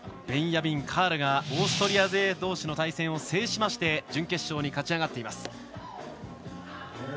ベンヤミン・カールがオーストリア勢どうしの対決を制しまして準決勝に勝ち上がっています。